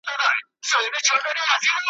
د بډای په ختم کي ملا نه ستړی کېږي `